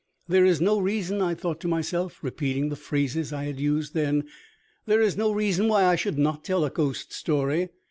"There is no reason," I thought to myself, repeating the phrases I had used then "there is no reason why I should not tell a ghost story.